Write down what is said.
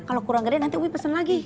kalau kurang gede nanti uy pesen lagi